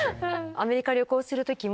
アメリカ旅行する時も。